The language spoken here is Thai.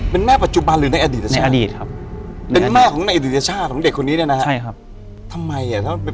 เป็นแม่ปัจจุบันหรือในอดีตใช่ไหมเป็นแม่ของในอดีตชาติของเด็กคนนี้เนี่ยนะฮะทำไมอ่ะ